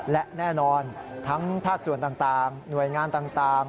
และแน่นอนทั้งภาคส่วนต่างหน่วยงานต่าง